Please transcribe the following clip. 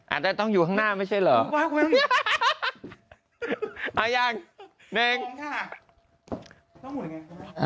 อาจจะต้องอยู่ข้างหน้าไม่ใช่เหรอ